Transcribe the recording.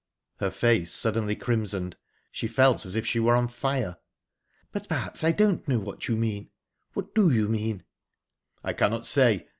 Her face suddenly crimsoned; she felt as if she were on fire. "But perhaps I don't know what you mean. What do you mean?" "I cannot say.